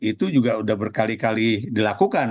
itu juga sudah berkali kali dilakukan